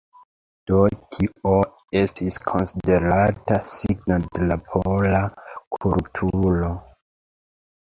Do tio estis konsiderata signo de la pola kulturo.